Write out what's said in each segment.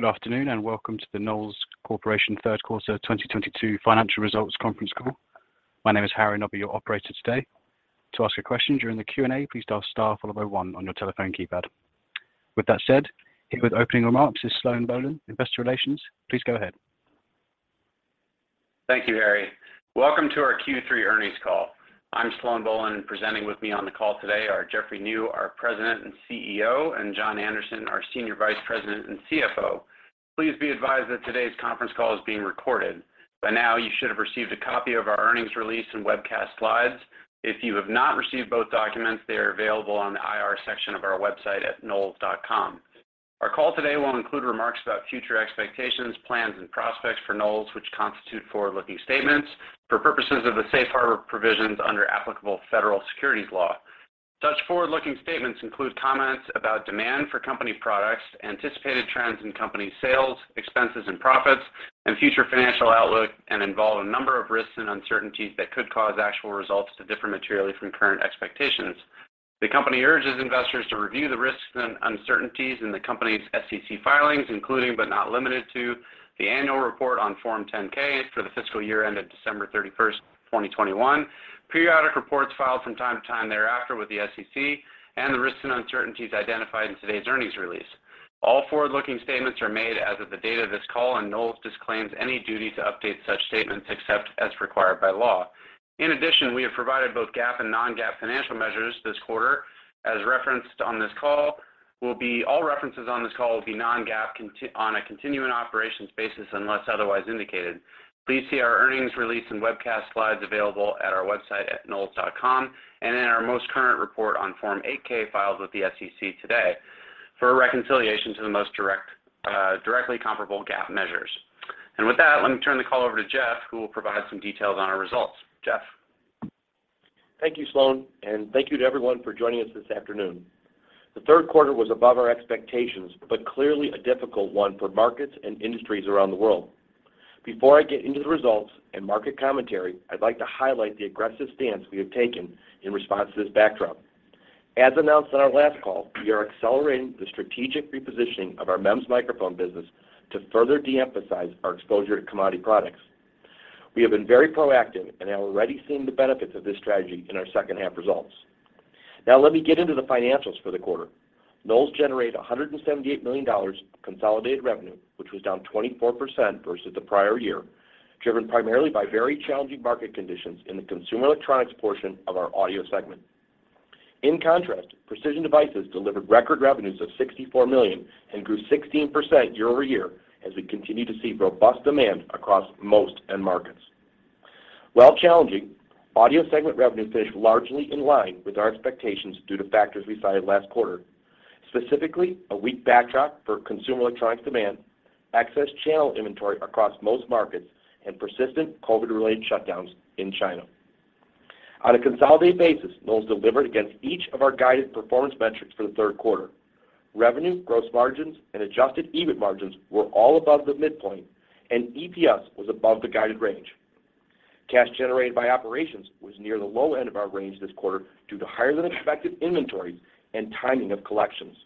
Good afternoon, and welcome to the Knowles Corporation Third Quarter 2022 Financial Results Conference Call. My name is Harry, and I'll be your operator today. To ask a question during the Q&A, please dial star followed by one on your telephone keypad. With that said, here with opening remarks is Sloan Bohlen, Investor Relations. Please go ahead. Thank you, Harry. Welcome to our Q3 earnings call. I'm Sloan Bohlen, and presenting with me on the call today are Jeffrey Niew, our President and CEO, and John Anderson, our Senior Vice President and CFO. Please be advised that today's conference call is being recorded. By now, you should have received a copy of our earnings release and webcast slides. If you have not received both documents, they are available on the IR section of our website at knowles.com. Our call today will include remarks about future expectations, plans, and prospects for Knowles, which constitute forward-looking statements for purposes of the safe harbor provisions under applicable federal securities law. Such forward-looking statements include comments about demand for company products, anticipated trends in company sales, expenses and profits, and future financial outlook, and involve a number of risks and uncertainties that could cause actual results to differ materially from current expectations. The company urges investors to review the risks and uncertainties in the company's SEC filings, including, but not limited to the annual report on Form 10-K for the fiscal year ended December 31, 2021, periodic reports filed from time to time thereafter with the SEC, and the risks and uncertainties identified in today's earnings release. All forward-looking statements are made as of the date of this call, and Knowles disclaims any duty to update such statements except as required by law. In addition, we have provided both GAAP and non-GAAP financial measures this quarter. All references on this call will be non-GAAP on a continuing operations basis unless otherwise indicated. Please see our earnings release and webcast slides available at our website at knowles.com and in our most current report on Form 8-K filed with the SEC today for a reconciliation to the most direct, directly comparable GAAP measures. With that, let me turn the call over to Jeff, who will provide some details on our results. Jeff. Thank you, Sloan, and thank you to everyone for joining us this afternoon. The third quarter was above our expectations, but clearly a difficult one for markets and industries around the world. Before I get into the results and market commentary, I'd like to highlight the aggressive stance we have taken in response to this backdrop. As announced on our last call, we are accelerating the strategic repositioning of our MEMS Microphone business to further de-emphasize our exposure to commodity products. We have been very proactive and are already seeing the benefits of this strategy in our second half results. Now let me get into the financials for the quarter. Knowles generated $178 million of consolidated revenue, which was down 24% versus the prior year, driven primarily by very challenging market conditions in the consumer electronics portion of our audio segment. In contrast, Precision Devices delivered record revenues of $64 million and grew 16% year-over-year as we continue to see robust demand across most end markets. While challenging, Audio segment revenue finished largely in line with our expectations due to factors we cited last quarter, specifically a weak backdrop for consumer electronics demand, excess channel inventory across most markets, and persistent COVID-related shutdowns in China. On a consolidated basis, Knowles delivered against each of our guided performance metrics for the third quarter. Revenue, gross margins, and Adjusted EBIT margins were all above the midpoint, and EPS was above the guided range. Cash generated by operations was near the low end of our range this quarter due to higher than expected inventories and timing of collections.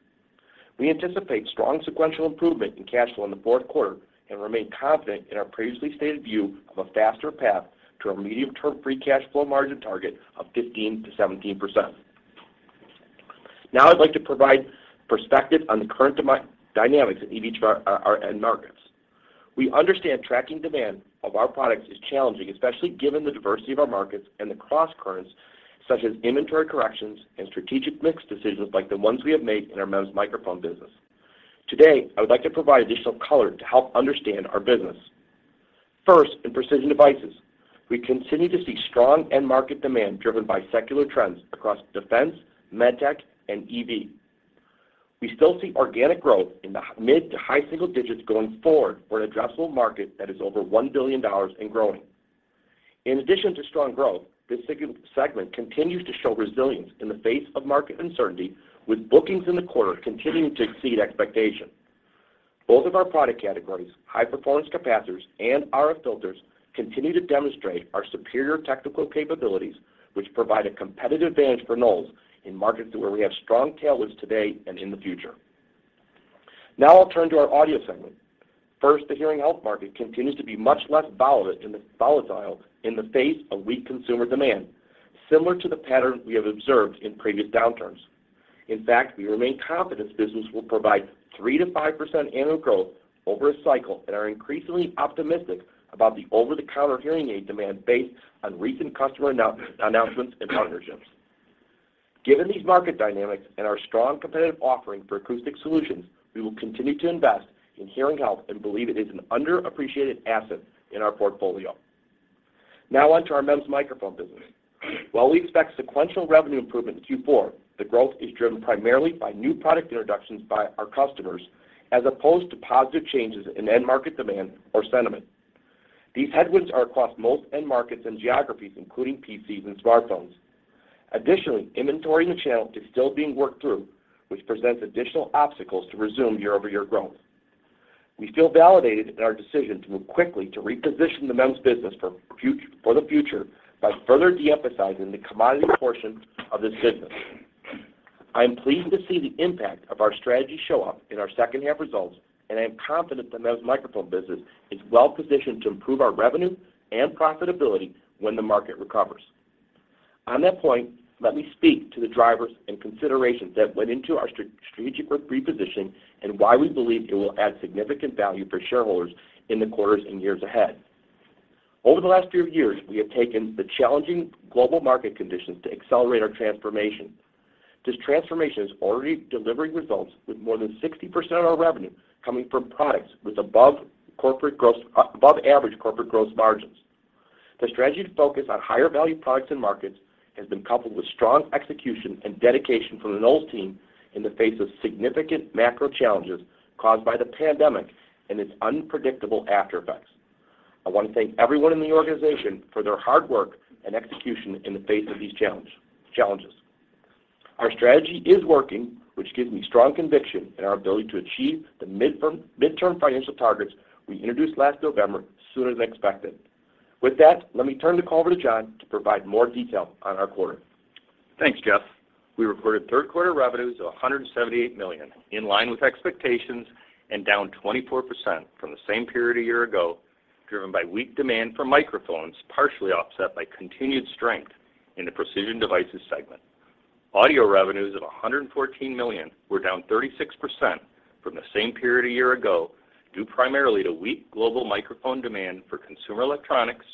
We anticipate strong sequential improvement in cash flow in the fourth quarter and remain confident in our previously stated view of a faster path to our medium-term free cash flow margin target of 15%-17%. Now I'd like to provide perspective on the current dynamics in each of our end markets. We understand tracking demand of our products is challenging, especially given the diversity of our markets and the crosscurrents, such as inventory corrections and strategic mix decisions like the ones we have made in our MEMS Microphone business. Today, I would like to provide additional color to help understand our business. First, in Precision Devices, we continue to see strong end market demand driven by secular trends across defense, MedTech, and EV. We still see organic growth in the mid- to high-single digits going forward for an addressable market that is over $1 billion and growing. In addition to strong growth, this segment continues to show resilience in the face of market uncertainty, with bookings in the quarter continuing to exceed expectations. Both of our product categories, high performance capacitors and RF filters, continue to demonstrate our superior technical capabilities, which provide a competitive advantage for Knowles in markets where we have strong tailwinds today and in the future. Now I'll turn to our audio segment. First, the hearing health market continues to be much less volatile in the face of weak consumer demand, similar to the pattern we have observed in previous downturns. In fact, we remain confident this business will provide 3%-5% annual growth over a cycle and are increasingly optimistic about the over-the-counter hearing aid demand based on recent customer announcements and partnerships. Given these market dynamics and our strong competitive offering for acoustic solutions, we will continue to invest in hearing health and believe it is an underappreciated asset in our portfolio. Now on to our MEMS Microphone business. While we expect sequential revenue improvement in Q4, the growth is driven primarily by new product introductions by our customers as opposed to positive changes in end market demand or sentiment. These headwinds are across most end markets and geographies, including PCs and smartphones. Additionally, inventory in the channel is still being worked through, which presents additional obstacles to resume year-over-year growth. We feel validated in our decision to move quickly to reposition the MEMS business for the future by further de-emphasizing the commodity portion of this business. I'm pleased to see the impact of our strategy show up in our second half results, and I am confident the MEMS Microphone business is well-positioned to improve our revenue and profitability when the market recovers. On that point, let me speak to the drivers and considerations that went into our strategic reposition, and why we believe it will add significant value for shareholders in the quarters and years ahead. Over the last few years, we have taken the challenging global market conditions to accelerate our transformation. This transformation is already delivering results with more than 60% of our revenue coming from products with above average corporate gross margins. The strategy to focus on higher value products and markets has been coupled with strong execution and dedication from the Knowles team in the face of significant macro challenges caused by the pandemic and its unpredictable aftereffects. I want to thank everyone in the organization for their hard work and execution in the face of these challenges. Our strategy is working, which gives me strong conviction in our ability to achieve the midterm financial targets we introduced last November sooner than expected. With that, let me turn the call over to John to provide more detail on our quarter. Thanks, Jeffrey. We recorded third quarter revenues of $178 million, in line with expectations and down 24% from the same period a year ago, driven by weak demand for microphones, partially offset by continued strength in the Precision Devices segment. Audio revenues of $114 million were down 36% from the same period a year ago, due primarily to weak global microphone demand for consumer electronics,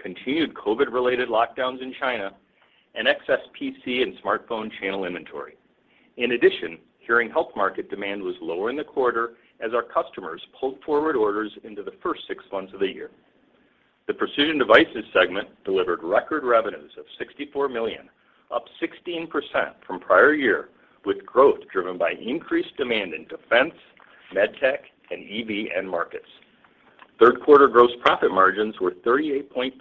continued COVID-related lockdowns in China, and excess PC and smartphone channel inventory. In addition, Hearing Health market demand was lower in the quarter as our customers pulled forward orders into the first six months of the year. The Precision Devices segment delivered record revenues of $64 million, up 16% from prior year, with growth driven by increased demand in defense, MedTech and EV end markets. Third quarter gross profit margins were 38.5%,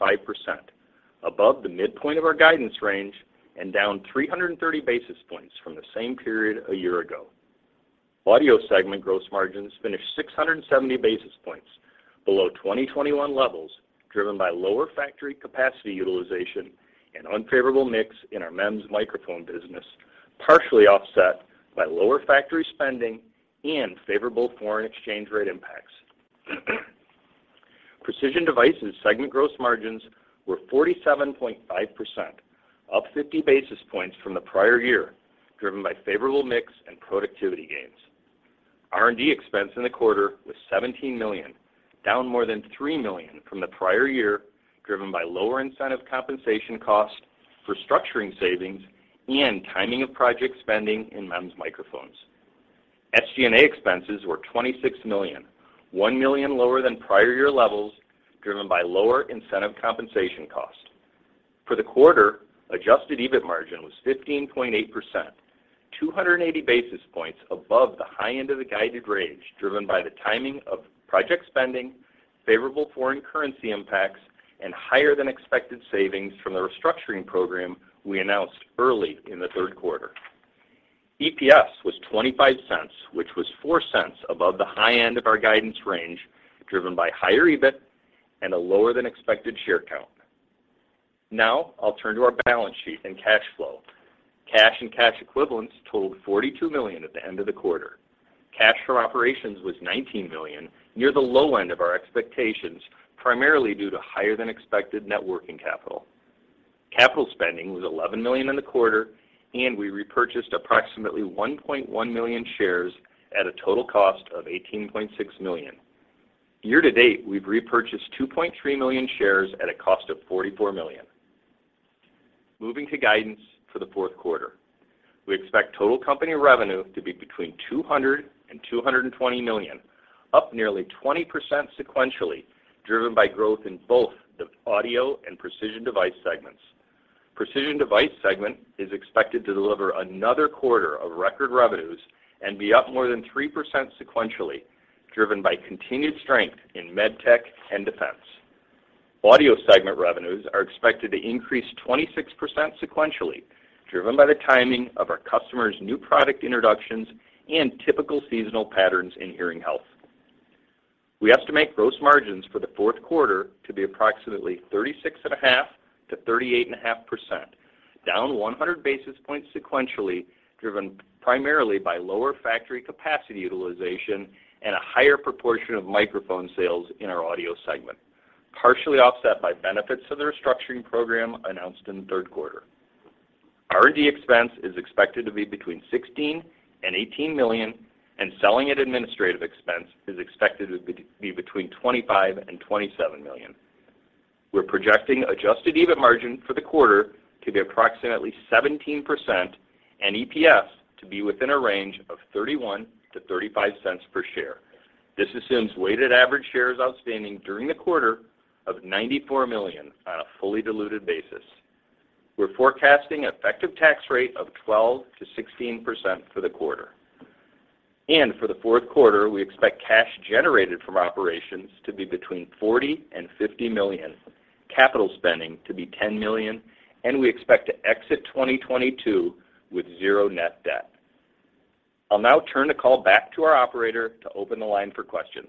above the midpoint of our guidance range and down 330 basis points from the same period a year ago. Audio segment gross margins finished 670 basis points below 2021 levels, driven by lower factory capacity utilization and unfavorable mix in our MEMS Microphone business, partially offset by lower factory spending and favorable foreign exchange rate impacts. Precision Devices segment gross margins were 47.5%, up 50 basis points from the prior year, driven by favorable mix and productivity gains. R&D expense in the quarter was $17 million, down more than $3 million from the prior year, driven by lower incentive compensation costs, restructuring savings, and timing of project spending in MEMS Microphones. SG&A expenses were $26 million, $1 million lower than prior year levels, driven by lower incentive compensation costs. For the quarter, Adjusted EBIT margin was 15.8%, 280 basis points above the high end of the guided range, driven by the timing of project spending, favorable foreign currency impacts, and higher than expected savings from the restructuring program we announced early in the third quarter. EPS was $0.25, which was $0.04 above the high end of our guidance range, driven by higher EBIT and a lower than expected share count. Now, I'll turn to our balance sheet and cash flow. Cash and cash equivalents totaled $42 million at the end of the quarter. Cash from operations was $19 million, near the low end of our expectations, primarily due to higher than expected net working capital. Capital spending was $11 million in the quarter, and we repurchased approximately 1.1 million shares at a total cost of $18.6 million. Year to date, we've repurchased 2.3 million shares at a cost of $44 million. Moving to guidance for the fourth quarter. We expect total company revenue to be between $200 million and $220 million, up nearly 20% sequentially, driven by growth in both the Audio and Precision Devices segments. Precision Devices segment is expected to deliver another quarter of record revenues and be up more than 3% sequentially, driven by continued strength in MedTech and defense. Audio segment revenues are expected to increase 26% sequentially, driven by the timing of our customers' new product introductions and typical seasonal patterns in Hearing Health. We estimate gross margins for the fourth quarter to be approximately 36.5%-38.5%, down 100 basis points sequentially, driven primarily by lower factory capacity utilization and a higher proportion of microphone sales in our Audio segment, partially offset by benefits of the restructuring program announced in the third quarter. R&D expense is expected to be between $16 million-$18 million, and selling and administrative expense is expected to be between $25 million-$27 million. We're projecting adjusted EBIT margin for the quarter to be approximately 17% and EPS to be within a range of $0.31-$0.35 per share. This assumes weighted average shares outstanding during the quarter of 94 million on a fully diluted basis. We're forecasting effective tax rate of 12%-16% for the quarter. For the fourth quarter, we expect cash generated from operations to be between $40 million and $50 million, capital spending to be $10 million, and we expect to exit 2022 with $0 net debt. I'll now turn the call back to our operator to open the line for questions.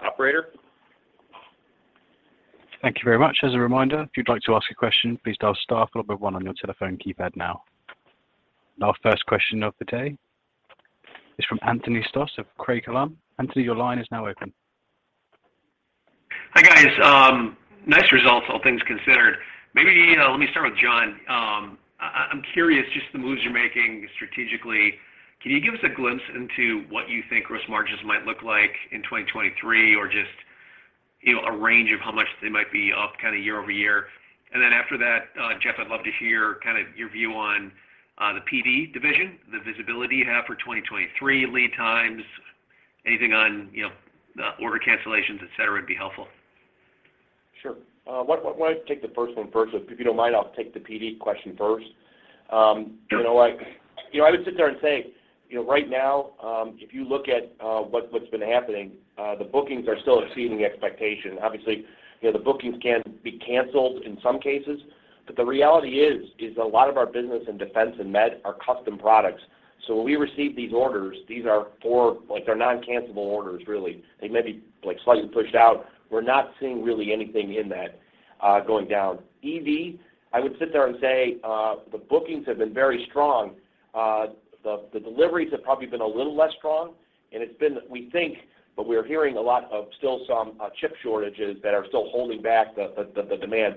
Operator? Thank you very much. As a reminder, if you'd like to ask a question, please dial star followed by one on your telephone keypad now. Our first question of the day is from Anthony Stoss of Craig-Hallum. Anthony, your line is now open. Hi, guys. Nice results, all things considered. Maybe, you know, let me start with John. I'm curious just the moves you're making strategically. Can you give us a glimpse into what you think gross margins might look like in 2023 or just, you know, a range of how much they might be up kinda year-over-year? After that, Jeffrey, I'd love to hear kind of your view on the PD division, the visibility you have for 2023, lead times. Anything on, you know, order cancellations, et cetera, would be helpful. Sure. Why don't I take the first one first? If you don't mind, I'll take the PD question first. You know, I would sit there and say, you know, right now, if you look at, what's been happening, the bookings are still exceeding expectation. Obviously, you know, the bookings can be canceled in some cases, but the reality is a lot of our business in defense and MedTech are custom products. So when we receive these orders, these are like, they're non-cancelable orders really. They may be, like, slightly pushed out. We're not seeing really anything in that going down. EV, I would sit there and say, the bookings have been very strong. The deliveries have probably been a little less strong, and it's been, we think, but we're hearing a lot of still some chip shortages that are still holding back the demand.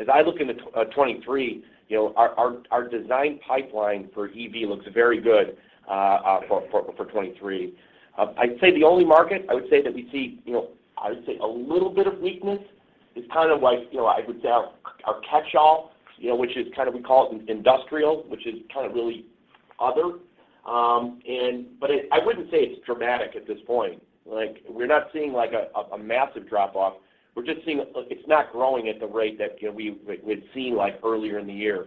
As I look into 2023, you know, our design pipeline for EV looks very good for 2023. I'd say the only market I would say that we see, you know, I would say a little bit of weakness is kind of like, you know, I would say our catchall, you know, which is kind of, we call it non-industrial, which is kind of really other. I wouldn't say it's dramatic at this point. Like, we're not seeing, like, a massive drop-off. We're just seeing it. Look, it's not growing at the rate that, you know, we'd seen, like, earlier in the year.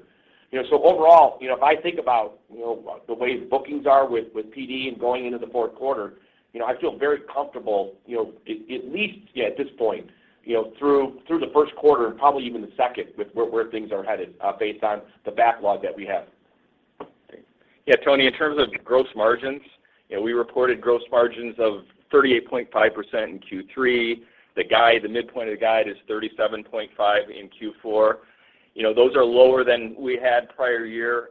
You know, overall, you know, if I think about, you know, the way bookings are with PD and going into the fourth quarter, you know, I feel very comfortable, you know, at least, yeah, at this point, you know, through the first quarter and probably even the second with where things are headed, based on the backlog that we have. Yeah. Yeah, Tony, in terms of gross margins, you know, we reported gross margins of 38.5% in Q3. The guide, the midpoint of the guide is 37.5% in Q4. You know, those are lower than we had prior year.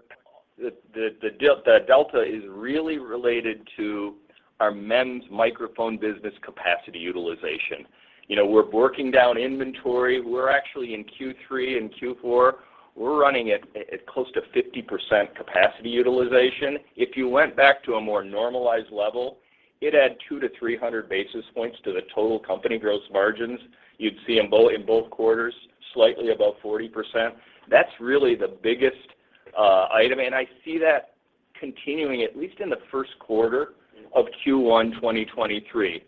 The delta is really related to our MEMS microphone business capacity utilization. You know, we're working down inventory. We're actually, in Q3 and Q4, we're running at close to 50% capacity utilization. If you went back to a more normalized level, it'd add 200-300 basis points to the total company gross margins. You'd see in both, in both quarters slightly above 40%. That's really the biggest item, and I see that continuing at least in the first quarter of Q1 2023.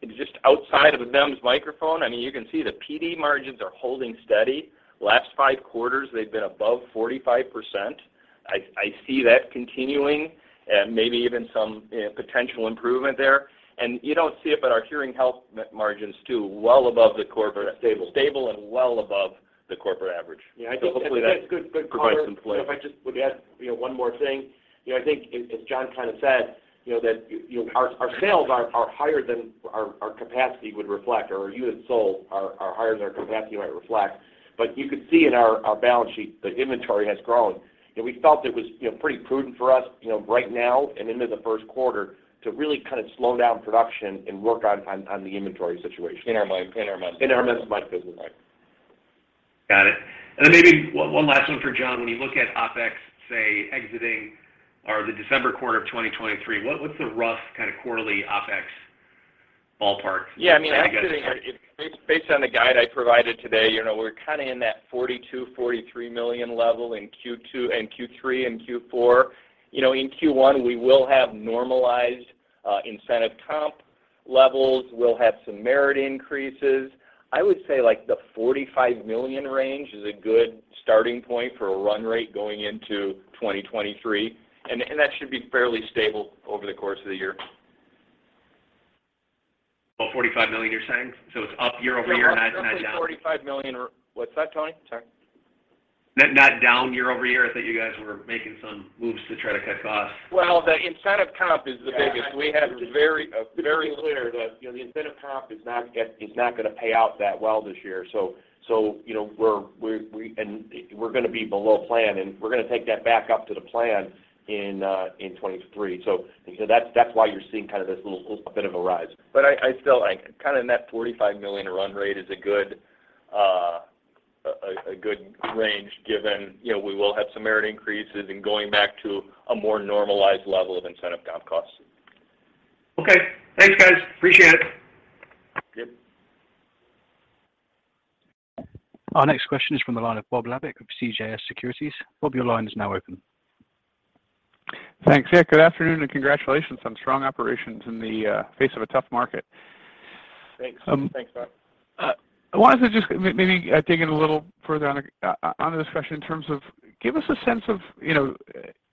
And just outside of the MEMS microphone, I mean, you can see the PD margins are holding steady. Last five quarters, they've been above 45%. I see that continuing and maybe even some potential improvement there. You don't see it, but our Hearing Health margins too, well above the corporate- Stable stable and well above the corporate average. Yeah, I think. Hopefully that provides some clarity. that's good color. You know, if I just would add, you know, one more thing. You know, I think as John kind of said, you know, you know, our sales are higher than our capacity would reflect, or units sold are higher than our capacity might reflect. You could see in our balance sheet that inventory has grown. You know, we felt it was, you know, pretty prudent for us, you know, right now and into the first quarter to really kind of slow down production and work on the inventory situation. In our MEMS business. In our MEMS mic business. Right. Got it. Maybe one last one for John. When you look at OpEx, say, exiting or the December quarter of 2023, what's the rough kind of quarterly OpEx ballpark that you guys have? Yeah. I mean, actually, Based on the guide I provided today, you know, we're kind of in that $42 million-$43 million level in Q2, in Q3 and Q4. You know, in Q1 we will have normalized incentive comp levels. We'll have some merit increases. I would say, like, the $45 million range is a good starting point for a run rate going into 2023, and that should be fairly stable over the course of the year. About $45 million, you're saying? It's up year-over-year, not down? No, roughly $45 million. What's that, Tony? Sorry. Not down year over year. I thought you guys were making some moves to try to cut costs. Well, the incentive comp is the biggest. Yeah. We're very clear that, you know, the incentive comp is not gonna pay out that well this year. You know, we're gonna be below plan, and we're gonna take that back up to the plan in 2023. You know, that's why you're seeing kind of this little bit of a rise. I still, like, kind of in that $45 million run rate is a good range given, you know, we will have some merit increases and going back to a more normalized level of incentive comp costs. Okay. Thanks, guys. Appreciate it. Yep. Our next question is from the line of Bob Labick of CJS Securities. Bob, your line is now open. Thanks. Yeah, good afternoon and congratulations on strong operations in the face of a tough market. Thanks. Thanks, Bob. I wanted to just maybe dig in a little further on this question in terms of give us a sense of, you know,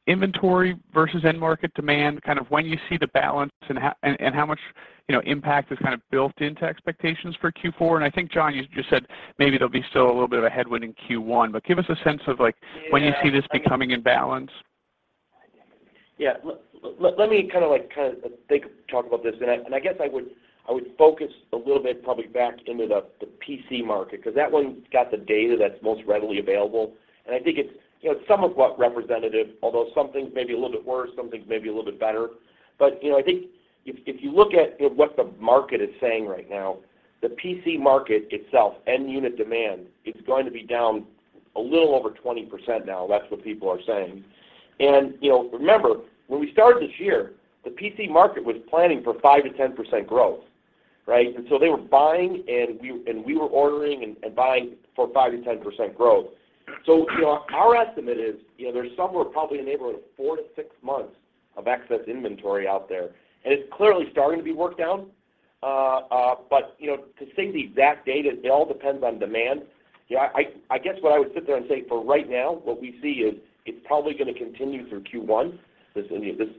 inventory versus end market demand, kind of when you see the balance and how much, you know, impact is kind of built into expectations for Q4. I think, John, you just said maybe there'll be still a little bit of a headwind in Q1, but give us a sense of, like. Yeah. When do you see this becoming in balance? Yeah. Let me kind of like, kind of talk about this. I guess I would focus a little bit probably back into the PC market, 'cause that one's got the data that's most readily available, and I think it's, you know, somewhat representative, although some things may be a little bit worse, some things may be a little bit better. You know, I think if you look at what the market is saying right now, the PC market itself, end unit demand, it's going to be down a little over 20% now. That's what people are saying. You know, remember, when we started this year, the PC market was planning for 5%-10% growth, right? They were buying, and we were ordering and buying for 5%-10% growth. You know, our estimate is, you know, there's somewhere probably in the neighborhood of four to six months of excess inventory out there, and it's clearly starting to be worked down. But, you know, to say the exact date, it all depends on demand. Yeah, I guess what I would sit there and say for right now, what we see is it's probably gonna continue through Q1, this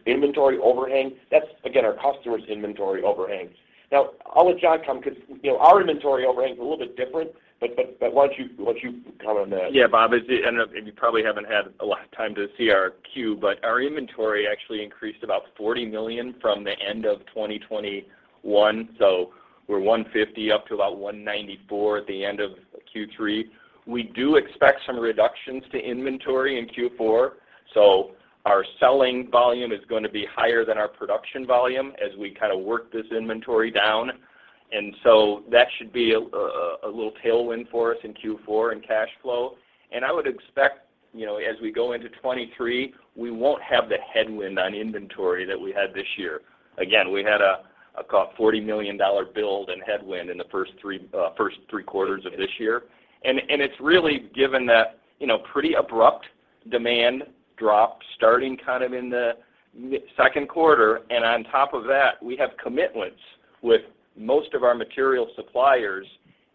inventory overhang. That's, again, our customer's inventory overhang. Now, I'll let John comment, because, you know, our inventory overhang's a little bit different, but why don't you comment on that? Yeah, Bob, as you end up and you probably haven't had a lot of time to see our Q, but our inventory actually increased about $40 million from the end of 2021. We're $150 million up to about $194 million at the end of Q3. We do expect some reductions to inventory in Q4, so our selling volume is gonna be higher than our production volume as we kinda work this inventory down. That should be a little tailwind for us in Q4 in cash flow. I would expect, you know, as we go into 2023, we won't have the headwind on inventory that we had this year. Again, we had a $40 million built-in headwind in the first three quarters of this year, and it's really given that, you know, pretty abrupt demand drop starting kind of in the mid-second quarter. On top of that, we have commitments with most of our material suppliers,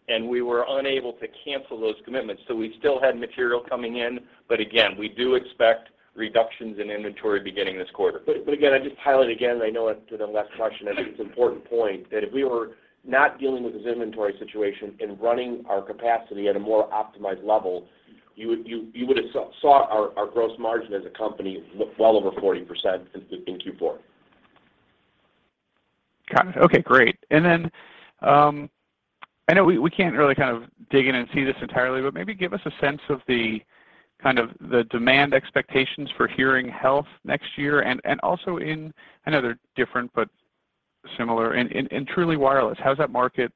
and we were unable to cancel those commitments, so we still had material coming in. Again, we do expect reductions in inventory beginning this quarter. Again, I'd just highlight again, I know it's the last question, I think it's an important point that if we were not dealing with this inventory situation and running our capacity at a more optimized level, you would have seen our gross margin as a company well over 40% in Q4. Got it. Okay, great. I know we can't really kind of dig in and see this entirely, but maybe give us a sense of the kind of the demand expectations for Hearing Health next year and also in, I know they're different, but similar in truly wireless. How's that market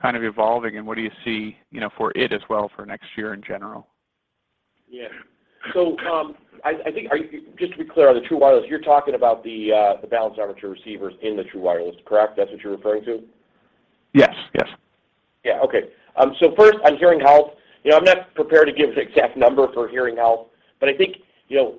kind of evolving, and what do you see, you know, for it as well for next year in general? Yeah. Just to be clear, on the true wireless, you're talking about the balanced armature receivers in the true wireless, correct? That's what you're referring to? Yes. Yes. Yeah. Okay. First on Hearing Health, you know, I'm not prepared to give the exact number for Hearing Health, but I think, you know,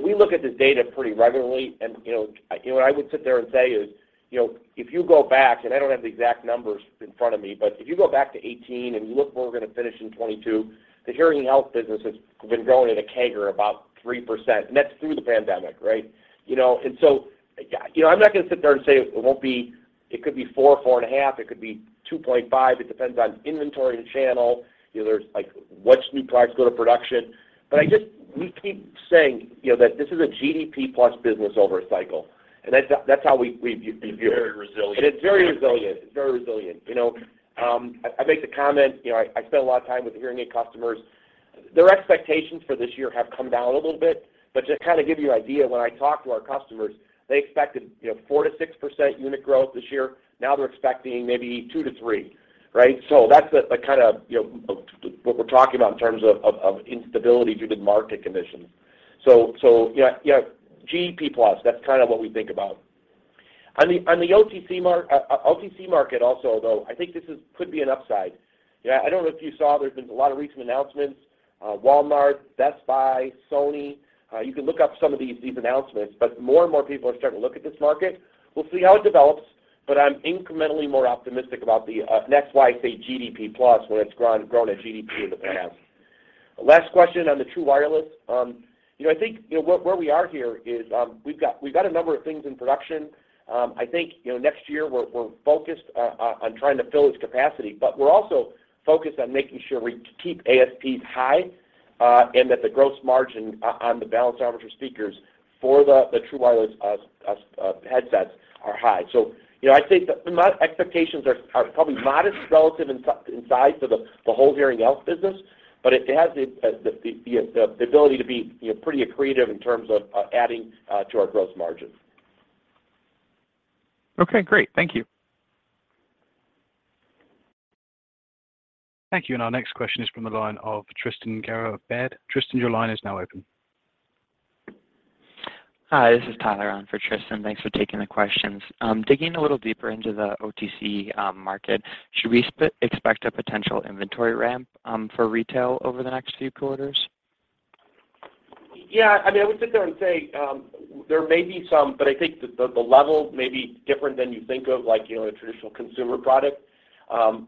we look at the data pretty regularly, and, you know, what I would sit there and say is, you know, if you go back, and I don't have the exact numbers in front of me, but if you go back to 2018 and you look where we're gonna finish in 2022, the Hearing Health business has been growing at a CAGR of about 3%, and that's through the pandemic, right? You know, I'm not gonna sit there and say it won't be. It could be 4.5. It could be 2.5. It depends on inventory and channel. You know, there's like, which new products go to production. But I just. We keep saying, you know, that this is a GDP plus business over a cycle, and that's how we view it. It's very resilient. It's very resilient. You know, I make the comment, you know, I spend a lot of time with the hearing aid customers. Their expectations for this year have come down a little bit. To kind of give you an idea, when I talk to our customers, they expected, you know, 4%-6% unit growth this year. Now they're expecting maybe 2%-3%, right? That's the kind of, you know, what we're talking about in terms of instability due to market conditions. Yeah, GDP plus, that's kind of what we think about. On the OTC market also, though, I think this could be an upside. You know, I don't know if you saw, there's been a lot of recent announcements, Walmart, Best Buy, Sony. You can look up some of these announcements, but more and more people are starting to look at this market. We'll see how it develops, but I'm incrementally more optimistic about the, and that's why I say GDP plus, when it's grown at GDP in the past. Last question on the true wireless. You know, I think you know where we are here is, we've got a number of things in production. You know, next year, we're focused on trying to fill its capacity, but we're also focused on making sure we keep ASPs high, and that the gross margin on the balanced armature speakers for the true wireless headsets are high. You know, I think the modest expectations are probably modest relative in size to the ability to be, you know, pretty accretive in terms of adding to our gross margin. Okay, great. Thank you. Thank you. Our next question is from the line of Tristan Gerra of Baird. Tristan, your line is now open. Hi, this is Tyler on for Tristan. Thanks for taking the questions. Digging a little deeper into the OTC market, should we expect a potential inventory ramp for retail over the next few quarters? Yeah, I mean, I would sit there and say, there may be some, but I think the level may be different than you think of, like, you know, a traditional consumer product.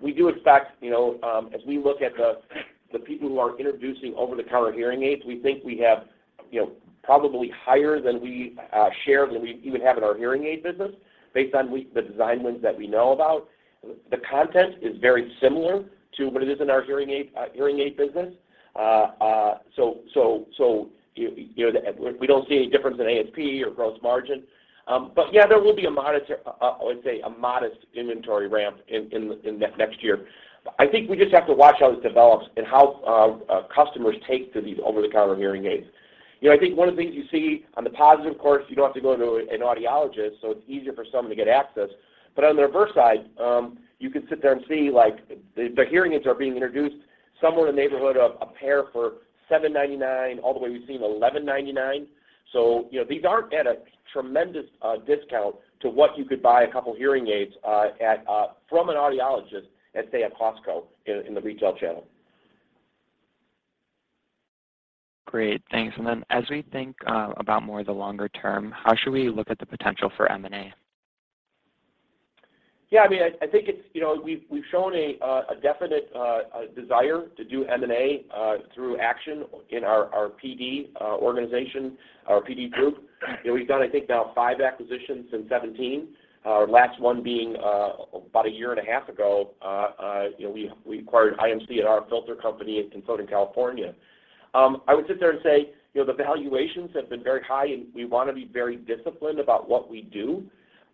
We do expect, you know, as we look at the people who are introducing over-the-counter hearing aids, we think we have, you know, probably higher share than we even have in our hearing aid business based on the design wins that we know about. The content is very similar to what it is in our hearing aid business. You know, we don't see a difference in ASP or gross margin. But yeah, there will be a modest, I would say, inventory ramp in next year. I think we just have to watch how this develops and how customers take to these over-the-counter hearing aids. You know, I think one of the things you see on the positive, of course, you don't have to go to an audiologist, so it's easier for someone to get access. On the reverse side, you could sit there and see like the hearing aids are being introduced somewhere in the neighborhood of a pair for $799 all the way we've seen $1,199. You know, these aren't at a tremendous discount to what you could buy a couple hearing aids at from an audiologist at, say, a Costco in the retail channel. Great. Thanks. As we think about more the longer term, how should we look at the potential for M&A? Yeah, I mean, I think it's, you know, we've shown a definite desire to do M&A through action in our PD organization, our PD group. You know, we've done I think now five acquisitions in 2017. Our last one being about a year and a half ago, you know, we acquired IMC and our filter company in Concord, California. I would sit there and say, you know, the valuations have been very high, and we wanna be very disciplined about what we do.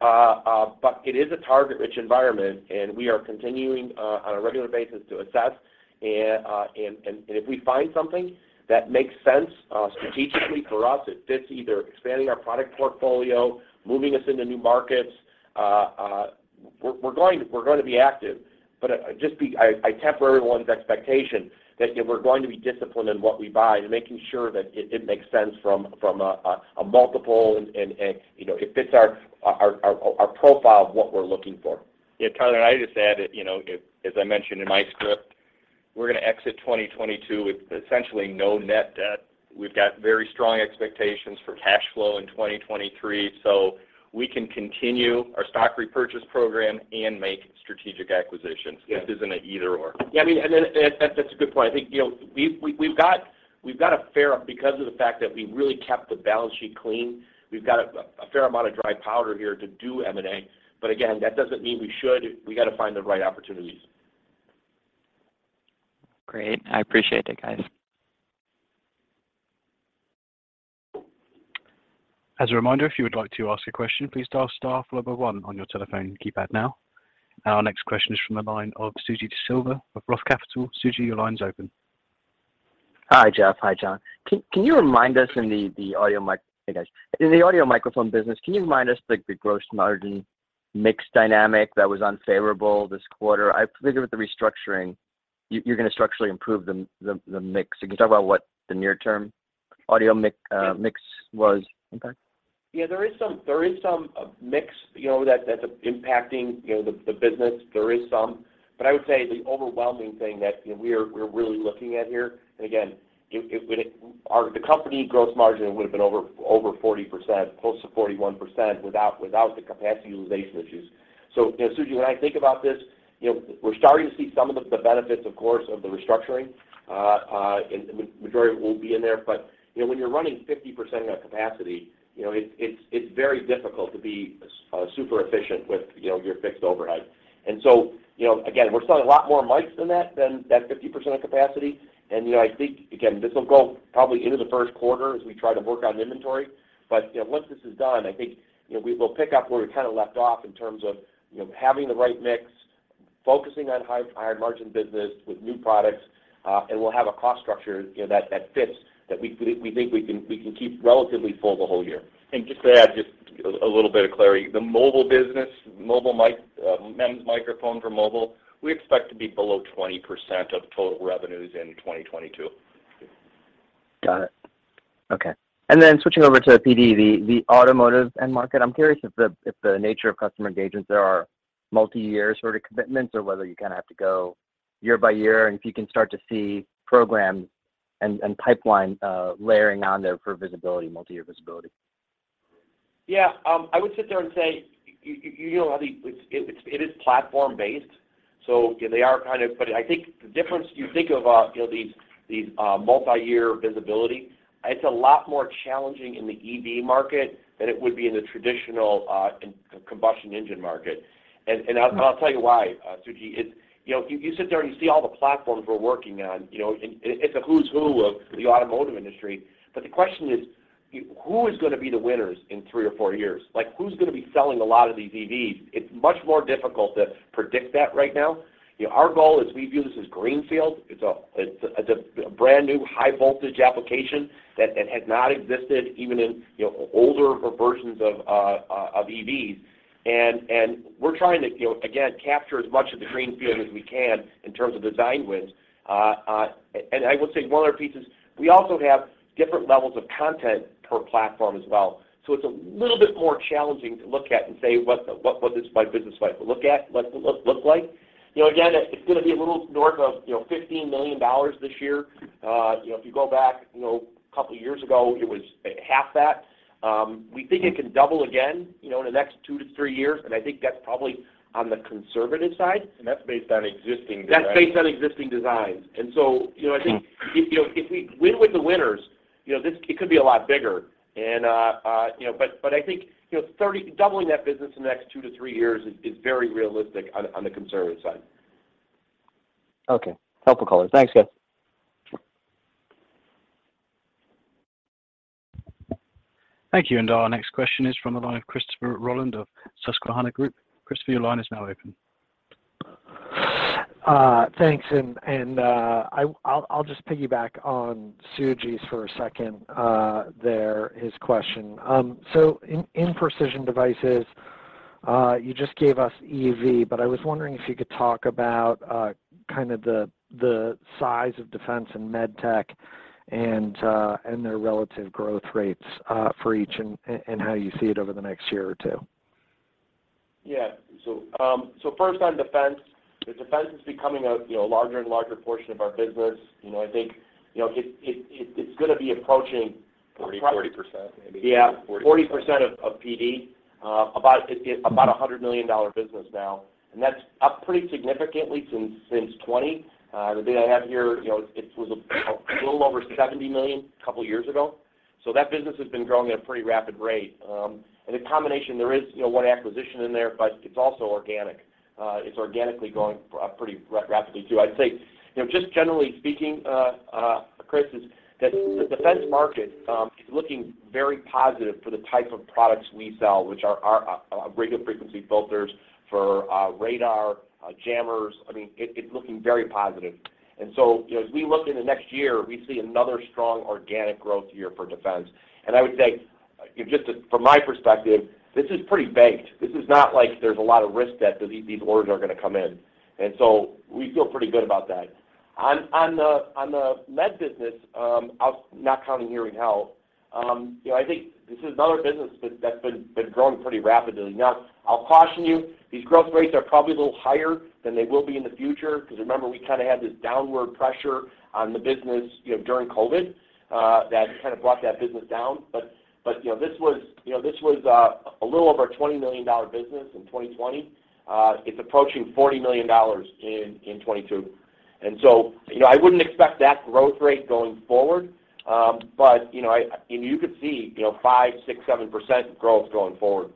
It is a target-rich environment, and we are continuing on a regular basis to assess. If we find something that makes sense strategically for us, it fits either expanding our product portfolio, moving us into new markets, we're gonna be active. I temper everyone's expectation that, you know, we're going to be disciplined in what we buy and making sure that it makes sense from a multiple and, you know, it fits our profile of what we're looking for. Yeah. Tyler, I just add that, you know, as I mentioned in my script, we're gonna exit 2022 with essentially no net debt. We've got very strong expectations for cash flow in 2023, so we can continue our stock repurchase program and make strategic acquisitions. Yes. This isn't an either/or. Yeah, I mean, that's a good point. I think, you know, because of the fact that we really kept the balance sheet clean, we've got a fair amount of dry powder here to do M&A. Again, that doesn't mean we should. We got to find the right opportunities. Great. I appreciate that, guys. As a reminder, if you would like to ask a question, please dial star followed by one on your telephone keypad now. Our next question is from the line of Suji DeSilva of Roth Capital. Suji, your line's open. Hi, Jeffrey. Hi, John. Hey, guys. In the audio microphone business, can you remind us the gross margin mix dynamic that was unfavorable this quarter? I figure with the restructuring, you're gonna structurally improve the mix. Can you talk about what the near-term audio mic mix impact was? Yeah, there is some mix, you know, that's impacting, you know, the business. But I would say the overwhelming thing that, you know, we're really looking at here, and again, it would, the company gross margin would have been over 40%, close to 41% without the capacity utilization issues. You know, Suji, when I think about this, you know, we're starting to see some of the benefits, of course, of the restructuring. And the majority will be in there. But, you know, when you're running 50% of capacity, you know, it's very difficult to be super efficient with, you know, your fixed overhead. And so, you know, again, we're selling a lot more mics than that 50% of capacity. You know, I think, again, this will go probably into the first quarter as we try to work on inventory. You know, once this is done, I think, you know, we will pick up where we kind of left off in terms of, you know, having the right mix, focusing on higher margin business with new products, and we'll have a cost structure, you know, that fits that we think we can keep relatively full the whole year. Just to add just a little bit of clarity. The mobile business, mobile mic, MEMS microphone for mobile, we expect to be below 20% of total revenues in 2022. Got it. Okay. Switching over to PD, the automotive end market, I'm curious if the nature of customer engagements there are multi-year sort of commitments or whether you kind of have to go year by year and if you can start to see programs and pipeline layering on there for visibility, multi-year visibility? Yeah. I would sit there and say you know, I think it is platform-based, so they are kind of. I think the difference you think of you know, these multi-year visibility, it is a lot more challenging in the EV market than it would be in the traditional combustion engine market. I'll tell you why, Suji. You know, you sit there and you see all the platforms we are working on, you know, and it is a who's who of the automotive industry. The question is, who is gonna be the winners in three or four years? Like, who is gonna be selling a lot of these EVs? It is much more difficult to predict that right now. You know, our goal as we view this is greenfield. It's a brand-new high voltage application that has not existed even in, you know, older versions of EVs. We're trying to, you know, again, capture as much of the greenfield as we can in terms of design wins. I will say one other piece is we also have different levels of content per platform as well. It's a little bit more challenging to look at and say what this my business will look like. You know, again, it's gonna be a little north of, you know, $15 million this year. You know, if you go back, you know, a couple years ago, it was half that. We think it can double again, you know, in the next two to three years, and I think that's probably on the conservative side. That's based on existing designs. That's based on existing designs. You know, I think if, you know, if we win with the winners. You know, this. It could be a lot bigger and, you know, but I think, you know, doubling that business in the next two to three years is very realistic on the conservative side. Okay. Helpful color. Thanks, guys. Thank you. Our next question is from the line of Christopher Rolland of Susquehanna Group. Christopher, your line is now open. Thanks. I'll just piggyback on Suji's question for a second. In Precision Devices, you just gave us EV, but I was wondering if you could talk about kind of the size of defense and MedTech and their relative growth rates for each and how you see it over the next year or two. First on defense, the defense is becoming a, you know, larger and larger portion of our business. You know, I think, you know, it's gonna be approaching. 40% maybe. Yeah. 40%. 40% of PD, about a $100 million business now. That's up pretty significantly since 2020. The data I have here, you know, it was a little over $70 million a couple of years ago. That business has been growing at a pretty rapid rate. In combination there is, you know, one acquisition in there, but it's also organic. It's organically growing pretty rapidly too. I'd say, you know, just generally speaking, Christopher, is that the defense market is looking very positive for the type of products we sell, which are radio frequency filters for radar, jammers. I mean, it's looking very positive. As we look in the next year, we see another strong organic growth year for defense. I would say, just from my perspective, this is pretty banked. This is not like there's a lot of risk that these orders are gonna come in. We feel pretty good about that. On the med business, not counting Hearing Health, you know, I think this is another business that's been growing pretty rapidly. Now, I'll caution you, these growth rates are probably a little higher than they will be in the future, because remember, we kinda had this downward pressure on the business, you know, during COVID, that kind of brought that business down. But you know, this was a little over a $20 million business in 2020. It's approaching $40 million in 2022. You know, I wouldn't expect that growth rate going forward. You know, you could see 5%, 6%, 7% growth going forward,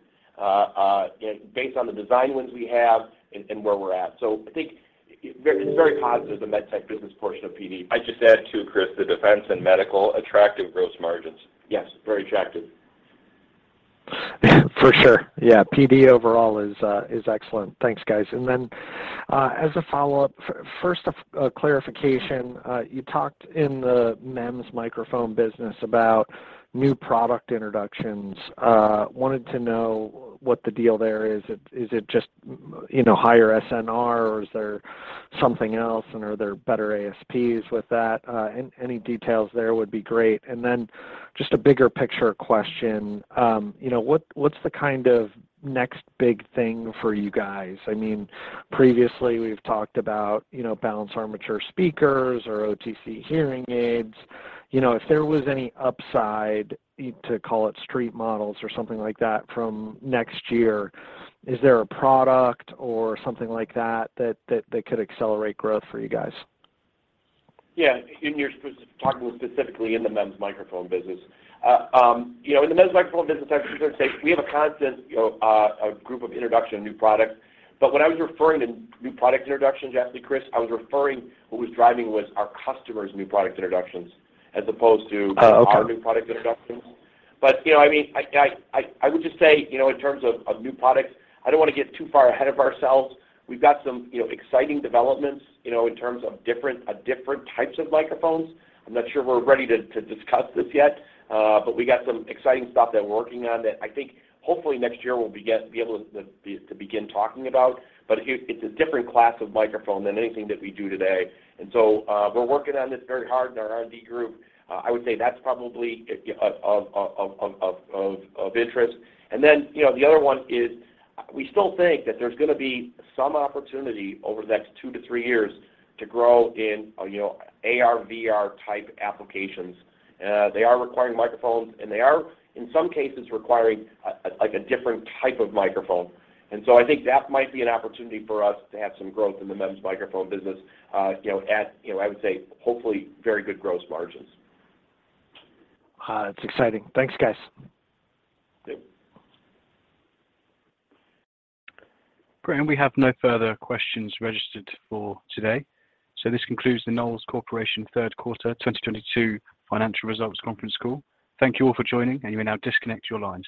based on the design wins we have and where we're at. I think it's very positive, the MedTech business portion of PD. I'd just add, too, Chris, the defense and medical, attractive gross margins. Yes, very attractive. For sure. Yeah, PD overall is excellent. Thanks, guys. As a follow-up, first off, a clarification, you talked in the MEMS microphone business about new product introductions. Wanted to know what the deal there is. Is it just, you know, higher SNR, or is there something else, and are there better ASPs with that? Any details there would be great. Just a bigger picture question, you know, what's the kind of next big thing for you guys? I mean, previously, we've talked about, you know, balanced armature speakers or OTC hearing aids. You know, if there was any upside, to call it street models or something like that from next year, is there a product or something like that could accelerate growth for you guys? Yeah. You're talking specifically in the MEMS microphone business. You know, in the MEMS microphone business, I was gonna say we have a constant introduction of new products. When I was referring to new product introductions, actually, Chris, I was referring what was driving was our customers' new product introductions as opposed to- Oh, okay. our new product introductions. You know, I mean, I would just say, you know, in terms of new products, I don't wanna get too far ahead of ourselves. We've got some, you know, exciting developments, you know, in terms of different types of microphones. I'm not sure we're ready to discuss this yet, but we got some exciting stuff that we're working on that I think hopefully next year we'll be able to begin talking about. It's a different class of microphone than anything that we do today. We're working on this very hard in our R&D group. I would say that's probably of interest. You know, the other one is we still think that there's gonna be some opportunity over the next two to three years to grow in, you know, AR/VR-type applications. They are requiring microphones, and they are, in some cases, requiring, like, a different type of microphone. I think that might be an opportunity for us to have some growth in the MEMS microphone business, you know, at, you know, I would say, hopefully, very good gross margins. That's exciting. Thanks, guys. Yep. Great. We have no further questions registered for today. This concludes the Knowles Corporation third quarter 2022 financial results conference call. Thank you all for joining, and you may now disconnect your lines.